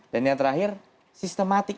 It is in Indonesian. dan yang terakhir sistematik